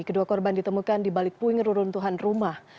kedua korban ditemukan di balik puing ruruntuhan rumah